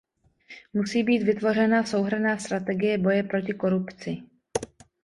Musí být vytvořena souhrnná strategie boje proti korupci.